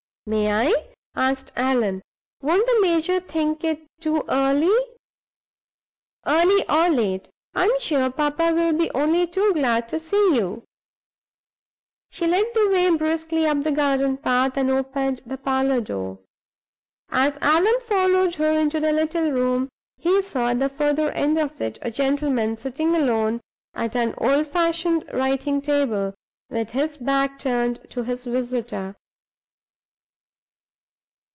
"May I?" asked Allan. "Won't the major think it too early?" "Early or late, I am sure papa will be only too glad to see you." She led the way briskly up the garden path, and opened the parlor door. As Allan followed her into the little room, he saw, at the further end of it, a gentleman sitting alone at an old fashioned writing table, with his back turned to his visitor.